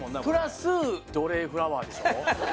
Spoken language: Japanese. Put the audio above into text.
プラス「ドレぇフラワー」でしょ。